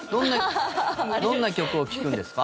どんな曲を聴くんですか？